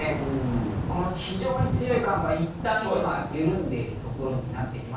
非常に強い寒波、いったん緩んでいる所になってきます。